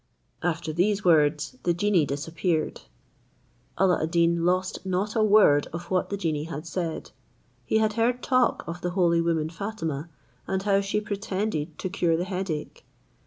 After these words, the genie disappeared. Alla ad Deen lost not a word of what the genie had said. He had heard talk of the holy woman Fatima, and how she pretended to cure the headache.